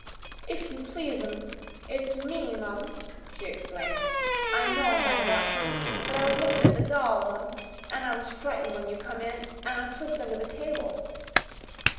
"If you please, 'm it's me, mum," she explained. "I know I hadn't ought to. But I was lookin' at the doll, mum an' I was frightened when you come in an' slipped under the table."